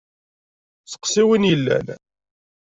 Steqsi win i yellan.